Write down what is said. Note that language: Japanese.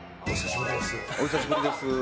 お久しぶりです。